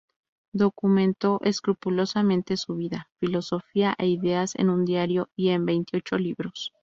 Documentó escrupulosamente su vida, filosofía e ideas en un diario y en veintiocho libros.